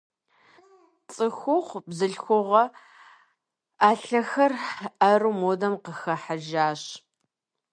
Цӏыхухъу, бзылъхугъэ ӏэлъэхэр уэру модэм къыхыхьэжащ.